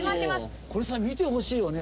これさ見てほしいよね。